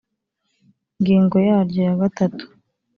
ngingo yaryo ya gatatu